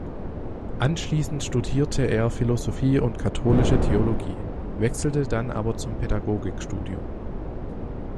Anschließend studierte er Philosophie und Katholische Theologie, wechselte dann aber zum Pädagogikstudium.